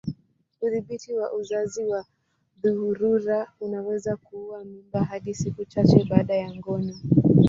Udhibiti wa uzazi wa dharura unaweza kuua mimba hadi siku chache baada ya ngono.